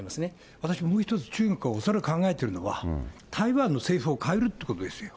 私もう１つ、中国が恐らく考えているのは、台湾の政府をかえるってことですよ。